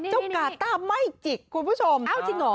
กาต้าไม่จิกคุณผู้ชมเอาจริงเหรอ